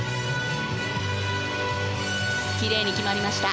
きれいに決まりました。